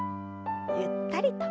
ゆったりと。